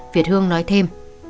việt hương nói thêm